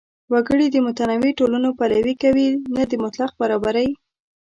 وګړي د متنوع ټولنو پلوي کوي، نه د مطلق برابرۍ.